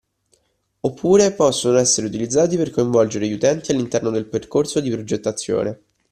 Oppure possono essere utilizzati per coinvolgere gli utenti all’interno del percorso di progettazione